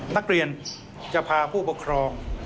นักเรียนจะพาผู้ปกครอง